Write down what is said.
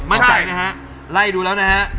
มั่นใจนะฮะไล่ดูแล้วนะฮะ